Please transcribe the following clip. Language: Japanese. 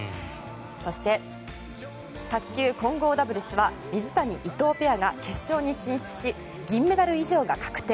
そして、卓球混合ダブルスは水谷・伊藤ペアが決勝に進出し銀メダル以上が確定。